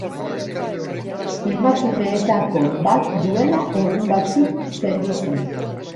Emakumeetako bat duela egun batzuk zendu zen.